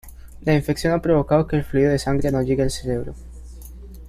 La infección ha provocado que el fluido de sangre no llegue al cerebro.